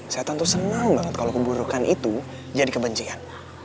setan tuh seneng banget kalau keburukan itu jadi kebencian